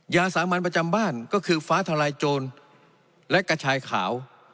ยาสามัญประจำบ้านก็คือฟ้าทลายโจรและกระชายขาว